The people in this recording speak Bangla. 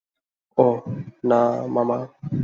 ওহ, না, মামা।